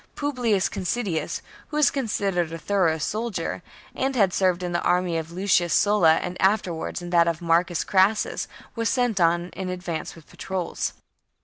Publius Considius, who was considered a thorough soldier, and had served in the army of Lucius Sulla and afterwards in that of Marcus Crassus, was sent on in advance with patrols.